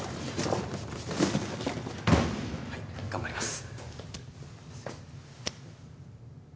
はい頑張ります。